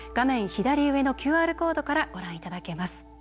左上のＱＲコードからご覧いただけます。